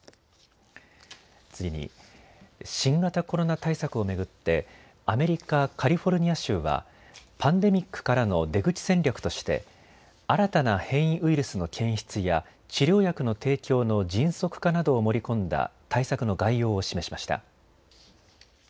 次に、新型コロナ対策を巡ってアメリカ・カリフォルニア州はパンデミックからの出口戦略として新たな変異ウイルスの検出や治療薬の提供の迅速化などを盛り込んだ対策の概要を示しました。